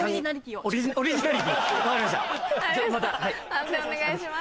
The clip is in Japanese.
判定お願いします。